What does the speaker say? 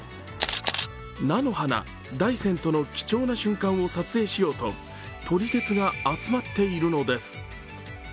菜の花、大山との貴重な瞬間を撮影しようと、撮り鉄が集まっているのです。